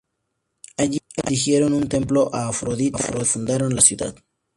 Allí erigieron un templo a Afrodita y fundaron la ciudad.